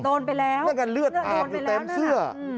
โดนไปแล้วไม่งั้นเลือดอาบอยู่เต็มเสื้อ